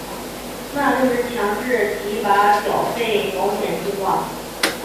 那就是强制提拨缴费保险计划。